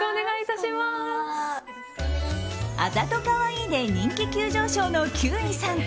あざとカワイイで人気急上昇の休井さん。